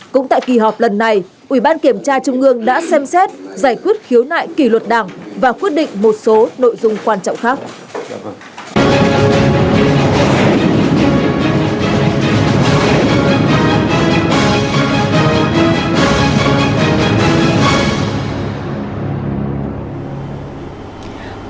cũng tại kỳ họp lần này ủy ban kiểm tra trung ương đã xem xét giải quyết khiếu nại kỷ luật đảng và quyết định một số nội dung quan trọng khác